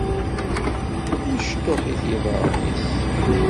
Mecṭuḥ-it yiḍaren-ines.